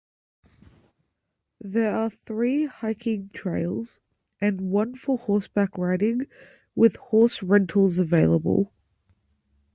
There are three hiking trails, and one for horseback riding, with horse rentals available.